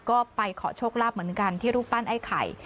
ก็ไปขอโชคลาภเหมือนกันที่รูปปั้นไอ้ไข่